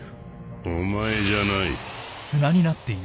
お前じゃない。